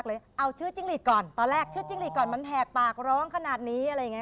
ตอนเด็กร้องเก่งคุณแม่เล่าให้ฟังนะคะเปล่า